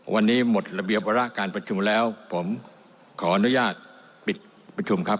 วันนี้หมดระเบียบวาระการประชุมแล้วผมขออนุญาตปิดประชุมครับ